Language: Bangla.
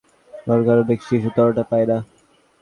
একটি বাড়ন্ত শরীরে যতটা পুষ্টি দরকার অনেক শিশু ততটা পায় না।